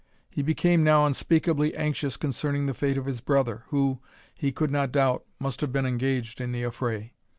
He became now unspeakably anxious concerning the fate of his brother, who, he could not doubt, must have been engaged in the affray.